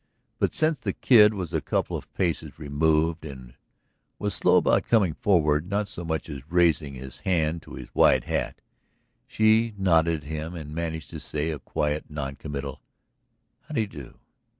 But, since the Kid was a couple of paces removed and was slow about coming forward, not so much as raising his hand to his wide hat, she nodded at him and managed to say a quiet, non committal, "How do you do?"